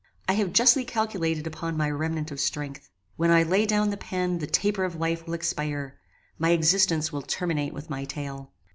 I have justly calculated upon my remnant of strength. When I lay down the pen the taper of life will expire: my existence will terminate with my tale.